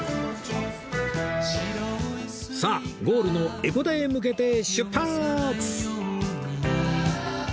さあゴールの江古田へ向けて出発！